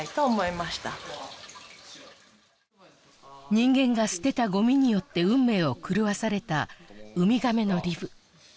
人間が捨てたごみによって運命を狂わされたウミガメのリブ